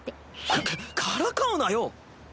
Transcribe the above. かかからかうなよ！